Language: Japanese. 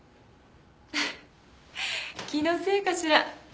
フフッ気のせいかしら？